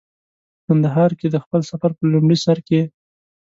په کندهار کې د خپل سفر په لومړي سر کې.